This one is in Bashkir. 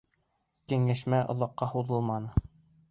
Кәңәшмә оҙаҡҡа һуҙылманы.